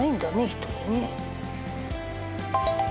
人にね